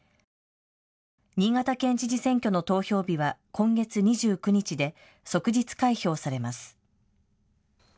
新潟県知事選挙の投票日は今月２９日で即日開票されます。